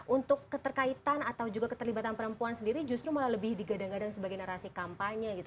untuk keterkaitan atau juga keterlibatan perempuan sendiri justru malah lebih digadang gadang sebagai narasi kampanye gitu